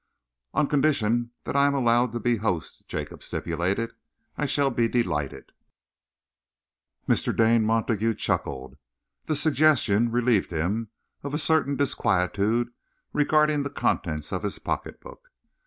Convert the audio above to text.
"On condition that I am allowed to be host," Jacob stipulated, "I shall be delighted." Mr. Dane Montague chuckled. The suggestion relieved him of a certain disquietude regarding the contents of his pocketbook.